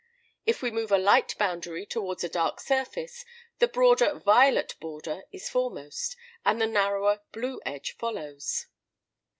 If we move a light boundary towards a dark surface, the broader violet border is foremost, and the narrower blue edge follows.